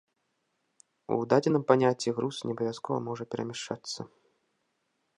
У дадзеным паняцці груз не абавязкова можа перамяшчацца.